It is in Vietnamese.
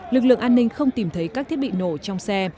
lực lượng an ninh không tìm thấy các thiết bị nổ trong xe